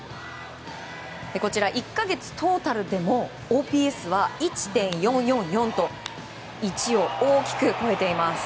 １か月トータルでのＯＰＳは１．４４４と１を大きく超えています。